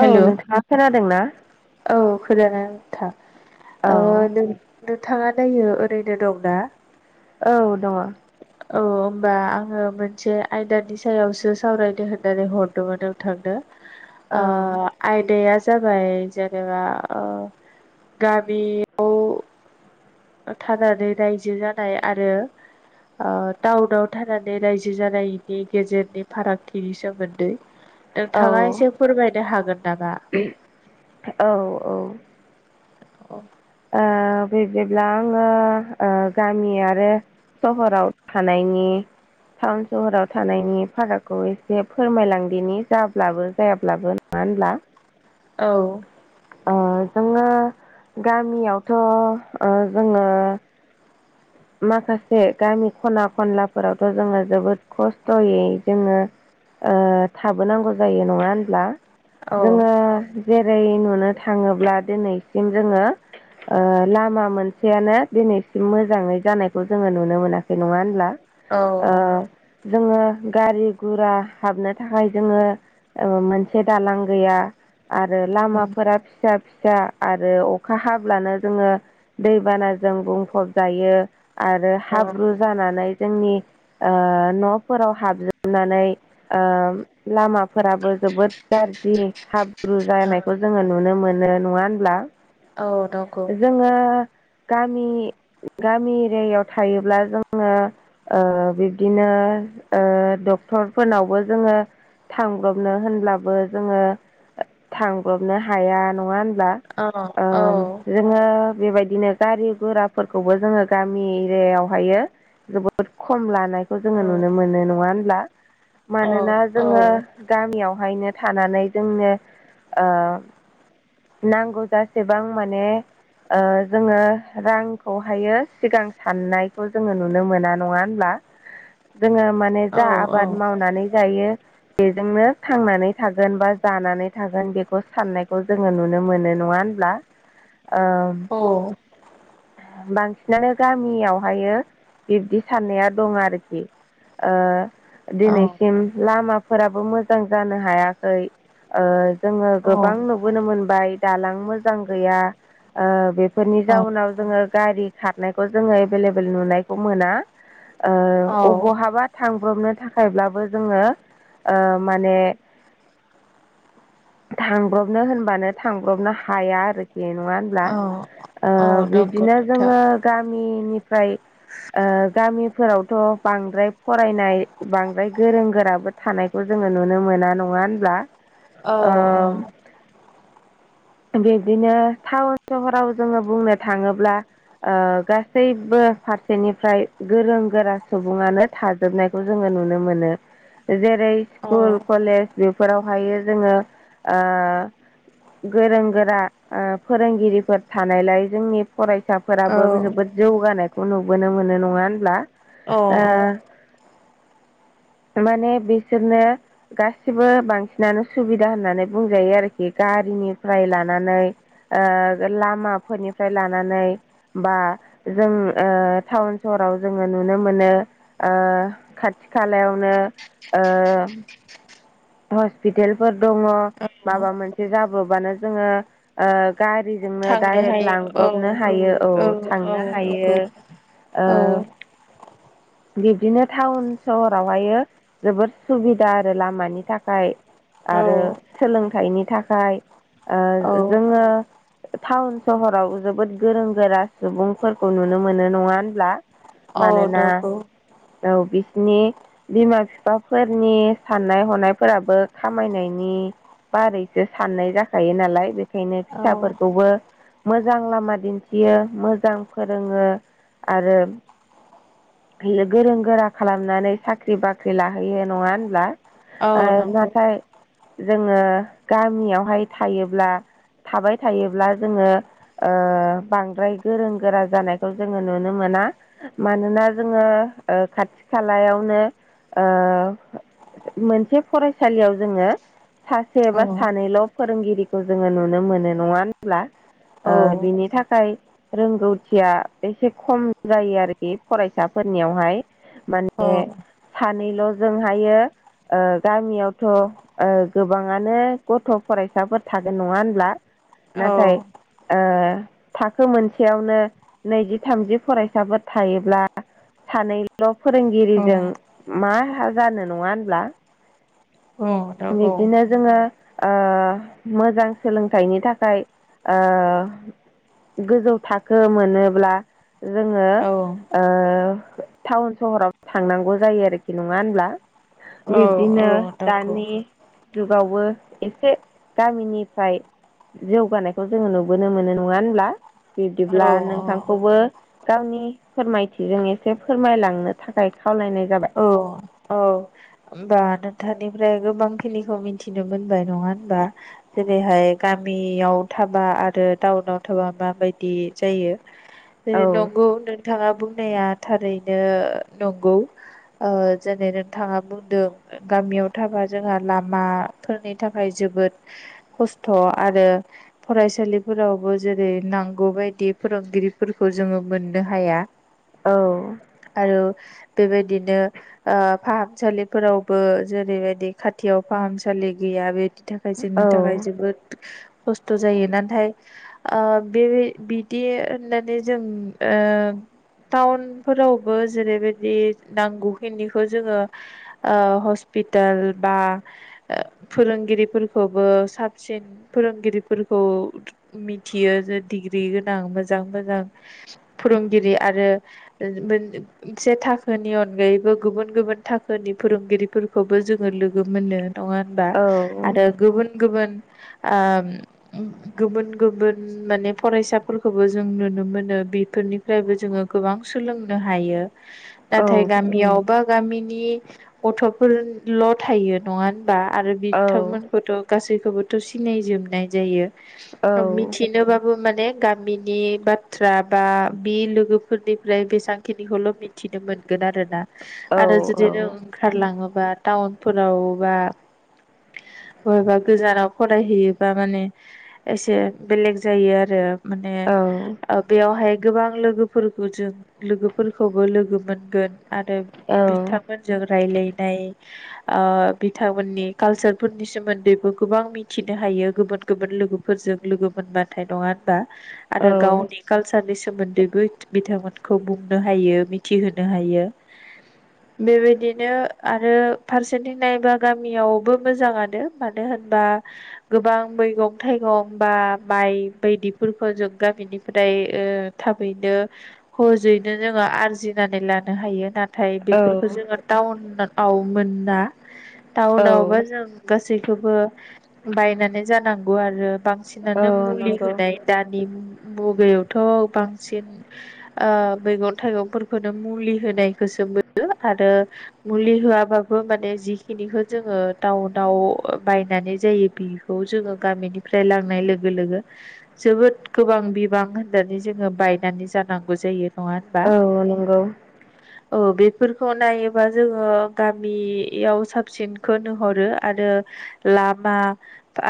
औ नोंथाङा खोनादोंना औ खोनादो थां। औ ओ नों-नोंथाङा दायो ओरैनो दं ना? औ दङ'। औ ओमबा आङो मोनसे आयदानि सायावसो सावरायनो होननानै हरदोंमोन नोंथांनो आ आयदाया जाबाय जेनेबा ओ गामियाव थानानै रायजो जानाय आरो ओ टाउनाव थानानै रायजो जानायनि गेजेरनि फारागथिनि सोमोन्दै औ नोंथाङा एसे फोरमायनो हागोन नामा? औ ओ औ। आ बिब्दिब्ला आङो आ गामि आरो सहराव थानायनि टाउन सहराव थानायनि फारागखौ एसे फोरमायलांदिनि जाब्लाबो जायाब्लाबो ओनब्ला औ। आ जोङो गामियावथ' ओ जोङो माखासे गामि ख'ना खनलाफोरावथ' जोङो जोबोद खस्थ'यै जोङो ओ थाबोनांगौ जायो नङा होनब्ला। औ जोङो जेरै नुनो थाङोब्ला दिनैसिम जोङो ओ लामा मोनसेयानो दिनैसिम मोजाङै जानायखौ जोङो नुनो मोनाखै नङा होनब्ला। औ ओ जोङो गारि गुरा हाबनो थाखाय जोङो ओ मोनसे दालां गैया। आरो लामाफोरा फिसा फिसा आरो अखा हाब्लानो जोङो दैबानाजों बुंफब जायो आरो हाब्रु जानानै जोंनि ओ न'फोराव हाबजोबनानै ओ लामाफोराबो जोबोद गा रजि हाब ब्रु औ जानायखौ जोङो नुनो मोनो नङा होनब्ला? औ नंगौ जोङो गामि गामि एरियायाव थायोब्ला जोङो ओ बिब्दिनो ओ डक्टरफोरनावबो जोङो थांब्रबनो होनब्लाबो जोङो थांब्रबनो हाया नङा होन ब्ला औ ओ औ जोङो बेबायदिनो गारि गुराफोरखौबो जोङो गामि एरियायावहायो जोबोद खम लानायखौ जोङो नुनो मोनो नङा होनब्ला? मानोना जोङो गामियावहायनो थानानै जोंनो ओ नांगौ जासेबां माने ओ जोङो रांखौहायो सिगां साननायखौ जोङो नुनो मोना नङा होनब्ला? जोङो मा ने जा औ आबाद मावनानै जायो बेजोंनो थांनानै थागोन बा जानानै थागोन बेखौ साननायखौ जोङो नुनो मोनो, नङा होनब्ला? [inaudible] ओ औ [inaudible] बां सिनानो गामियावहायो बिब्दि साननाया दं आरोखि। ओ दिनैसिम लामाफोराबो मोजां जानो हायाखै। ओ जोङो गोबां नुबोनो मोनबाय दालां मोजां गैया ओ बे फोरनि जाउनाव जोङो गारि खारनायखौ जोङो एभेलेबेल नुनायखौ मोना। ओ ओबहाबा थां ब्रबनो थाखायब्लाबो जोङो ओ माने थांब्रबनो होनबानो थांब्रबनो हाया आरोखि। नङा होनब्ला? ओ बिब्दिनो जोङो [inaudible] निफ्राय ओ गामिफोरावथ' बांद्राय फरायनाय बांद्राय गोरों गोराबो थानायखौ जों ङो नुनो मोना नङा होनब्ला? औ औ बिदिनो टाउन सहराव जोङो बुंनो थाङोब्ला ओ गासैबो फारसेनिफ्राय गोरों गोरा सुबुङानो थाजोबनायखौ जोङो नु नो मोनो जेरै स्कुल कलेज बेफोरावहायो जोङो ओ गोरों गोरा ओ फोरोंगिरिफोर थानायलाय जोंनि फरायसा फोराबो जोबोद जौगानायखौ नुबोनो मोनो नङा होनब्ला? औ ओ औ माने बिसोरनो गासिबो बांसिनानो सुबिदा होननानै बुंजायो आरोखि। गारिनिफ्राय लानानै ओ लामाफोरनिफ्राय लानानै बा जों ओ टाउन सहराव जोङो नुनो मोनो ओ खा थि खालायावनो ओ हस्पिटेलफोर दङ औ माबा मोनसे जाब्र'बानो जोङो ओ गारिजोंनो थांनो डाइरेक्ट हायो लांब्रबनो औ हायो औ औ थांनो नंगौ हायो। ओ औ बिब्दिनो टाउन सहरावहायो जोबोद सुबिदा आरो लामानि थाखाय औ आरो सोलोंथाइनि थाखाय ओ औ जोङो टाउन सहराव जोबोद गोरों गोरा सुबुंफोरखौ नुनो मोनो नङा होनब्ला? औ मानोना नंगौ। औ बिसिनि बिमा बिफाफोरनि साननाय हनायफोराबो खामायनायनि बारैसो साननाय जाखायो नालाय बेखायनो औ फिसाफोरखौबो मोजां लामा दिन्थियो मोजां फोरोङो आरो गोरों गोरा खालामनानै साख्रि-बाख्रि लाहैयो नङा होनब्ला औ ओ नंगौ नाथाय जोङो गामियावहाय थायोब्ला थाबाय थायोब्ला जोङो ओ बांद्राय गोरों गोरा जानायखौ जोङो नुनो मोना मानोना जोङो ओ खाथि खालायावनो ओ मोनसे फरायसालियाव जोङो सासे औ एबा सानैल' फोरोंगिरिखौ जोङो नुनो मोनो नङा होनब्ला ओ औ बिनि थाखाय रोंगौथिया एसे खम जायो आरोखि फराय फिसाफोरनियावहाय माने सानैल' जोंहायो ओ गामियावथ' ओ गोबाङानो गथ' फरायसाफोर थागोन नङा होनब्ला औ औ नाथाय ओ थाखो मोनसेयावनो नैजि थामजि फरायसाफोर थायोब्ला सानैल' फोरोंगिरिजों मा जानो नङा होनब्ला औ नंगौ बिबदिनो जोङो ओ मोजां सोलोंथाइनि थाखाय ओ गोजौ थाखो मोनोब्ला जोङो औ ओ टाउन सहराव थांनांगौ जायो आरोखि नङा होनब्ला औ बिब्दिनो औ नंगौ दानि जुगावबो एसे गामिनिफ्राय जौगानायखौ जोङो नुबोनो मोनो नङा होनब्ला। औ बिब्दिब्ला औ नोंथांखौबो गावनि फोरमायथिजों एसे फोरमायलांनो थाखाय खावलायनाय जाबाय औ होनबा नोंथांनिफ्राय गोबांखिनिखौ मिथिनो मोनबाय नङा होनबा जेरैहाय गामियाव थाबा आरो टाउनाव थाबा माबायदि जायो। बे औ नंगौ नोंथाङा बुंनाया थारैनो नंगौ ओ जेनै नोंथाङा बुंदों गामियाव थाबा जोंहा लामाफोरनि थाखाय जोबोद खस्थ' आरो फरायसालिफोरावबो जेरै नांगौ बायदि फोरोंगिरि फोरखौ जोङो मोननो हाया औ आरो बेबायदिनो ओ फाहामसालिफोरावबो जेरैबायदि खाथियाव फाहामसालि गैया बे नि थाखाय जोंनि औ थाखाय जोबोद खस्थ' जायो नाथाय ओ बे बिदि होननानै जों ओ टाउन फोरावबो जेरैबायदि नांगौ खिनिखौ जोङो ओ हस्पिटाल बा फोरोंगिरिफोरखौ बो साबसिन फोरोंगिरिफोरखौ मिथियो जे डिग्रि गोनां मोजां मोजां फोरोंगिरि आरो से थाखोनि अनगायै बो गुबुन गुबुन थाखोनि फोरोंगिरिफोरखौबो जोङो लोगो मोनो नङा होनबा औ आरो गुबुन गुबुन ओ गुबुन गुबुन माने फरायसाफोरखौबो जों नुनो मोनो बे फोरनिफ्रायबो जोङो गोबां सोलोंनो हायो औ नाथाय गामियाव बा गामिनि गथ'फोरल' थायो नङा बा आरो औ बिथांमोनखौथ' गासैखौबोथ सिनायजोबनाय जायो मिथिनोबाबो माने गामिनि बाथ्रा बा बिलोगोफोरनिफ्राय बेसांखिनिखौल' मिथिदों मोन - -गोन आरोना औ आरो जुदि नों ओंखारलाङोबा टाउनफोराव बा बबेबा गोजानाव फरायहैयोबा माने एसे बेलेग जायो आरो माने बेयावहाय गोबां लोगोफोरखौ जों लोगोफोरखौबो लोगो मोनगोन आरो बिथांमोनजों रायलायनाय अ बिथांमोननि कालचारफोरनि सोमोन्दैबो गोबां मिथिनो हायो बियो गुबुन गुबुन लोगोफोरजों लोगो मोनबाथाय नङा होनबा आरो गावनि कालचार नि सोमोन्दैबो बिथांमोनखौ बुंनो हायो मिथिहोनो हायो बेबायदिनो आरो फारसेथिं नायबा गामियावबो मोजाङानो मानो होन - बा गोबां मैगं थाइगं बा माइ बायदिफोरखौ जों गामिनिफ्राय बे ओ थाबैनो खहजैनो जोङो आरजिनानै लानो हायो नाथाय औ बेफोरखौ जोङो टाउनाव मोना टाउनावबा औ जों गासै खौबो बायनानै जानांगौ आरो बां- औ -सिनानो मुलि नंगौ होनाय दानि मु- -बेयावथ बांसिन आ मैगं थाइगंफोरखौनो मुलि होनाय [unintelligible] आरो मुलि होआबाबो माने जिखिनिखौ जोङो टाउनाव बायनानै जायो बेखौ जोङो गामिनिफ्राय लांनाय लोगो लोगो जोबोद गोबां बिबां होनानै जोङो बायनानै जानांगौ जायो नङा होनबा औ नंगौ औ बेफोरखौ नायोबा जोङो गामियाव साबसिनखौ नोहरो आरो लामा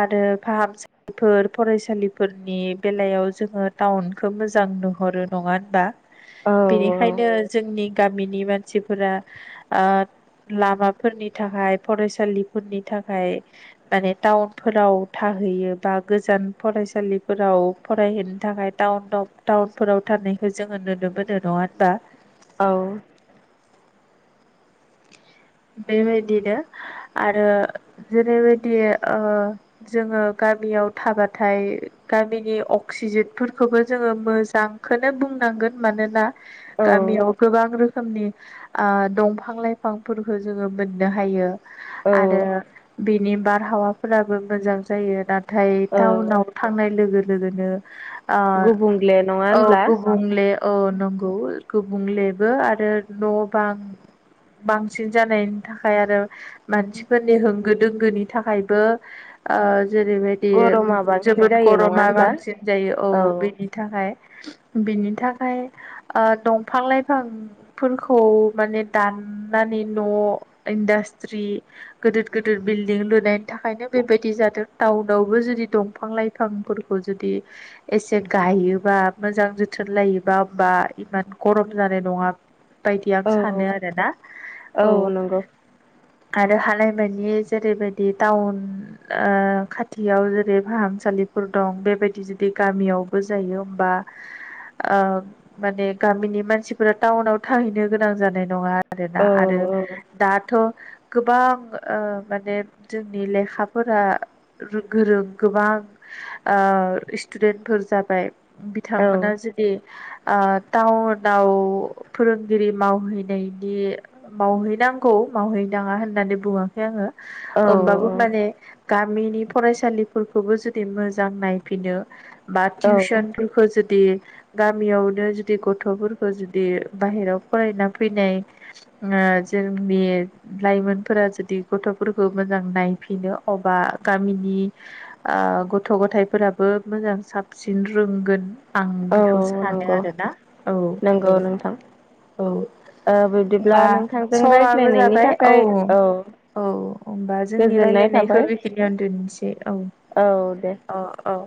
आरो फाहामसालिफोर फरायसालिफोरनि बेलायाव जोङो टाउनखौ मोजां नुहरो नङा होनबा औ बेनिखायनो जोंनि गामिनि मानसिफोरा आ लामाफोरनि थाखाय फरायसालिफोरनि थाखाय माने टाउनफोराव था- -हैयो बा गोजान फरायसालिफोराव फरायहैनो थाखाय टाउन टाउनफोराव थानाय जोङो नुनो मोनो नङा होनबा बेबायदिनो आरो जेरैबायदि ओ जोङो गा - -बियाव थाबाथाय गामिनि अक्सिजेनफोरखौबो जोङो मोजांखौनो बुंनां - -गोन मानोना औ गामियाव गोबां रोखोमनि ओ दंफां लाइफां फोरखौ जोङो मोननो हायो औ आरो बेनि बारहावाफोराबो मोजां जायो नाथाय औ टाउनाव थांनाय लोगो लोगोनो अ गुबुंले नङा ओ होनब्ला गुबुंले अ नंगौ गुबुंलेबो आरो न बां बांसिन जानायनि थाखाय आरो मानसिफोरनि होंगो दोंगोनि थाखायबो ओ जेरैबायदि गरमा बांसिन जोबोद जायो नङा गरमा होनब्ला बांसिन जायो औ बेनि थाखाय बिनि थाखाय ओ‌ दंफां लाइफांफोरखौ माने दान - -नानै न इनडास्ट्रि गिदिर गिदिर बिल्डिं लुनायनि थाखायनो बेबायदि जा- - दों टाउनावबो जुदि दंफां लाइफांफोरखौ जुदि एसे गायोबा मोजां जोथोन लायोबा एबा इमान गरम जानाय नङा बायदि आं औ सानो आरो ना औ नंगौ आरो हानायबादियै जेरैबायदि टाउन आ खाथियाव जेरै फाहामसा - -लिफोर दं बेबायदि जुदि गामियावबो जायो होमबा ओ माने गामिनि मानसिफोरा टाउनाव थाहैनो गोनां जानाय नङा आरोना औ आरो दाथ गोबां ओ माने जोंनि लेखाफोरा गोरों गोबां स्टुडेन्टफोर जाबाय औ बिथांमोना जुदि आ टाउनाव फोरोंगिरि मावहैनाय बिदि मावहैनांगौ मावहैनाङा होननानै बुङाखै आङो। होमबाबो औ माने गामिनि फरायसालिफोरखौबो जुदि मोजां नायफिनो बा औ टिउसनफोरखौ जुदि गामियावनो जुदि गथ'फोरखौ जुदि बाहेरायाव फरायना फैनाय ओ जोंनि लाइमोनफोरा जुदि गथ'फोरखौ मोजां नायफिनो अ बा गामिनि ओ गथ' गथाइफोराबो मोजां साबसिन रोंगोन। आं औ बेखौ सानो नंगौ आरोना औ नंगौ नोंथां औ। ओ बिब्दिब्ला होनबा नोंथांजों समाबो रायज्लायनायनि जाबाय औ थाखाय औ। औ होमबा जोंनि गोजोननाय रायलायनायखौ थाबाय बेखिनियावनो दोननोसै औ। औ दे औ औ